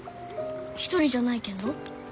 一人じゃないけんど。